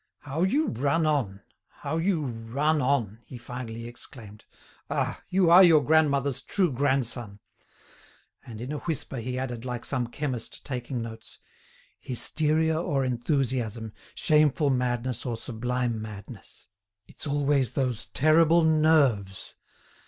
"How you run on! How you run on!" he finally exclaimed. "Ah! you are your grandmother's true grandson." And, in a whisper, he added, like some chemist taking notes: "Hysteria or enthusiasm, shameful madness or sublime madness. It's always those terrible nerves!"